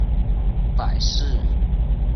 阿根廷是一个总统制和联邦制民主共和国。